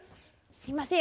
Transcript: すいません